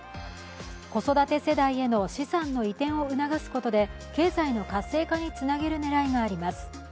子育て世代への資産の移転を促すことで経済の活性化につなげる狙いがあります。